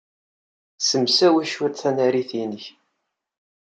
Ssemsawi cwiṭ tanarit-nnek.